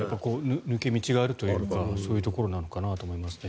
抜け道があるというかそういうところなのかなと思いますね。